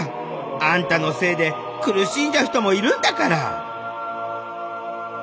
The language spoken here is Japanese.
あんたのせいで苦しんじゃう人もいるんだから！